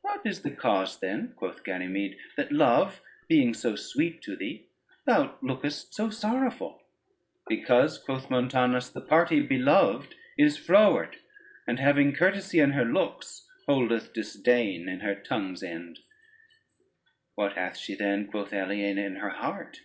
"What is the cause then," quoth Ganymede, "that love being so sweet to thee, thou lookest so sorrowful?" "Because," quoth Montanus, "the party beloved is froward, and having courtesy in her looks, holdeth disdain in her tongue's end." "What hath she, then," quoth Aliena, "in her heart?"